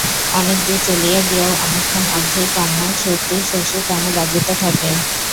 অনেকদূর চলিয়া গিয়াও অনেকক্ষণ অবধি কান্নার সুরটি শশীর কানে বাজিতে থাকে।